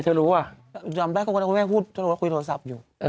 ช่วยถามได้ก็ไม่ให้พูดเพราะว่าคุยโทรศัพท์อยู่